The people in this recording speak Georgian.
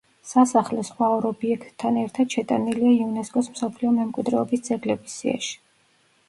სასახლე სხვა ორ ობიექტთან ერთად შეტანილია იუნესკოს მსოფლიო მემკვიდრეობის ძეგლების სიაში.